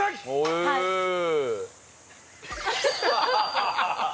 ハハハハッ。